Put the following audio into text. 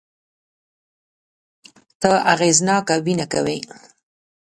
ته اغېزناکه وينه کوې